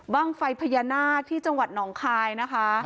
ไฟพญานาคที่จังหวัดหนองคายนะคะ